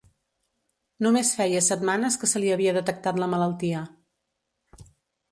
Només feia setmanes que se li havia detectat la malaltia.